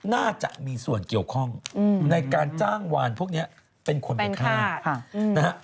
น่าจะมีส่วนเกี่ยวข้องในการจ้างวานพวกนี้เป็นคนไปฆ่านะฮะ